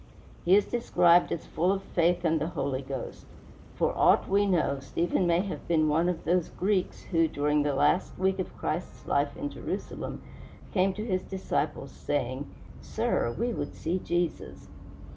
He is described as full of faith and the Holy Ghost. For aught we know, Stephen may have been one of those Greeks who, during the last week of Christ's life in Jerusalem, came to his disciples, saying, "Sir, we would see Jesus."